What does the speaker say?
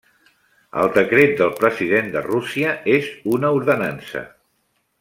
El Decret del President de Rússia és una ordenança.